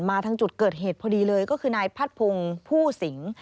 ทางจุดเกิดเหตุพอดีเลยก็คือนายพัดพงศ์ผู้สิง